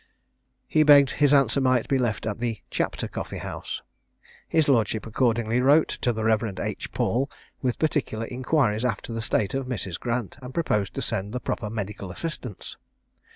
He begged his answer might be left at the Chapter Coffee house. His lordship accordingly wrote to the Rev. H. Paul, with particular inquiries after the state of Mrs. Grant, and proposed to send the proper medical assistance.